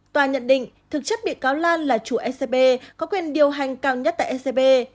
tòa nhận định thực chất bị cáo lan là chủ scb có quyền điều hành cao nhất tại scb